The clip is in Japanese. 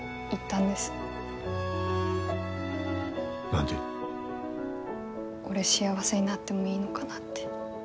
俺幸せになってもいいのかなって。